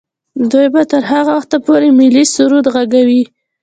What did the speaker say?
دوی به تر هغه وخته پورې ملي سرود ږغوي.